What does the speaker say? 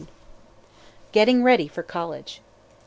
GETTING READY FOR COLLEGE.